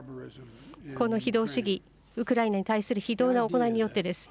この非道主義、ウクライナに対する非道な行いによってです。